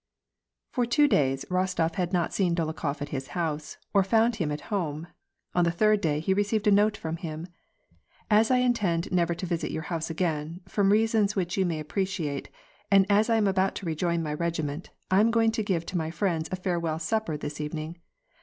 For two days, Rostof had not seen Dolokhof at his house, or found him at home : on the third day, he receired a note from him,— '^ As I intend never to visit your house again, from reasons which you may appreciate, and as I am about to i«join my regiment, I am going to give to my friends a farewell supper this evening.